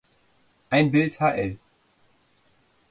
Ein Bild hl.